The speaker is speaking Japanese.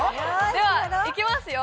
ではいきますよ